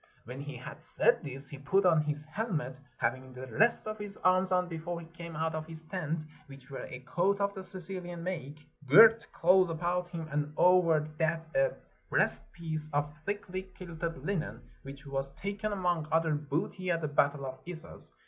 When he had said this, he put on his helmet, having the rest of his arms on before he came out of his tent, which w ere a coat of the Sicilian make, girt close about him, and over that a breastpiece of thickly quilted linen, which was taken among other booty at the battle of Issus.